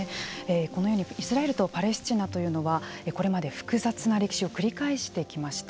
このようにイスラエルとパレスチナというのはこれまで複雑な歴史を繰り返してきました。